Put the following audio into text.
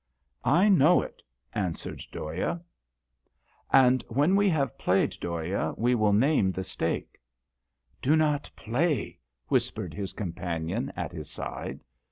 " I know it," answered Dhoya. DHOYA. IQr " And when we have played, Dhoya, we will name the stake. """ Do not play," whispered his companion at his side.